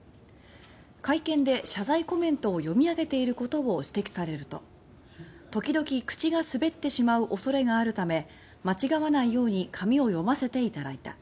会見で謝罪コメントを読み上げていることを指摘されると「時々口が滑ってしまう恐れがあるため間違わないように紙を読ませていただいた」